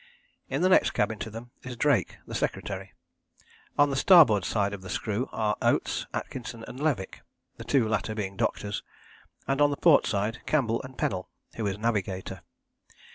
In the next cabin to them is Drake, the secretary. On the starboard side of the screw are Oates, Atkinson and Levick, the two latter being doctors, and on the port side Campbell and Pennell, who is navigator.